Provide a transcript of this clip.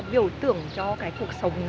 biểu tượng cho cái cuộc sống